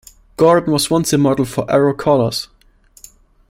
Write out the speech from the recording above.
Gordon was once a model for Arrow Collars.